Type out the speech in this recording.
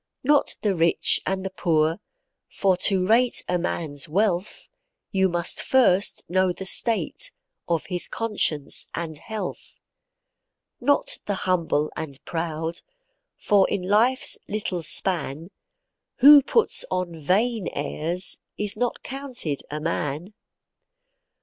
Not the rich and the poor, for to rate a man's wealth, You must first know the state of his conscience and health. Not the humble and proud, for in life's little span, Who puts on vain airs, is not counted a man.